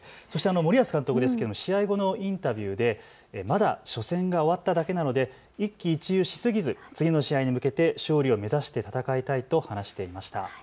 森保監督ですがインタビューでまだ初戦が終わっただけなので一喜一憂しすぎず次の試合に向けて勝利を目指して戦いたいと話していました。